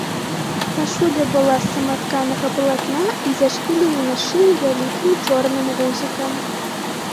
Кашуля была з саматканага палатна і зашпілена на шыі вялікім чорным гузікам.